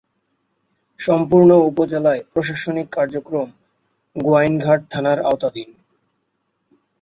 সম্পূর্ণ উপজেলার প্রশাসনিক কার্যক্রম গোয়াইনঘাট থানার আওতাধীন।